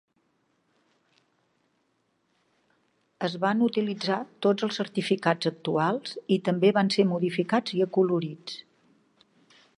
Es van utilitzar tots els certificats actuals i també van ser modificats i acolorits.